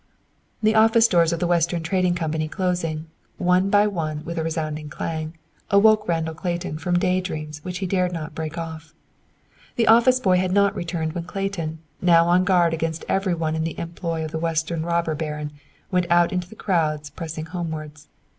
The office doors of the Western Trading Company closing, one by one, with a resounding clang, awoke Randall Clayton from day dreams which he dared not break off. The office boy had not returned when Clayton, now on guard against every one in the employ of the Western robber baron, went out into the crowds pressing homewards.